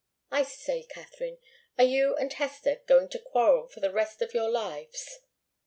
I say, Katharine are you and Hester going to quarrel for the rest of your lives?"